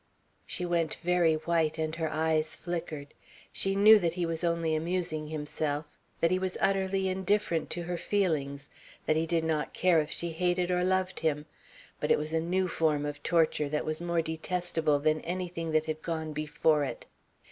She went very white and her eyes flickered. She knew that he was only amusing himself, that he was utterly indifferent to her feelings, that he did not care if she hated or loved him, but it was a new form of torture that was more detestable than anything that had gone before it.